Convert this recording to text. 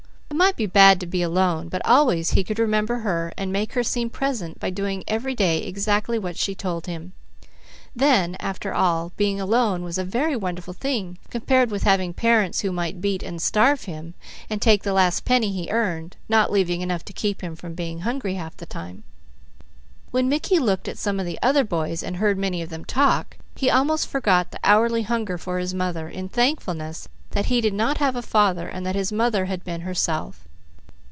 It might be bad to be alone, but always he could remember her, and make her seem present by doing every day exactly what she told him. Then, after all, being alone was a very wonderful thing compared with having parents who might beat and starve him and take the last penny he earned, not leaving enough to keep him from being hungry half the time. When Mickey looked at some of the other boys, and heard many of them talk, he almost forgot the hourly hunger for his mother, in thankfulness that he did not have a father and that his mother had been herself.